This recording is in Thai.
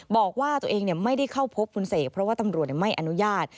บอกว่าตัวเองไม่ได้เข้าพบคุณเสกเพราะว่าตำรวจไม่อนุญาต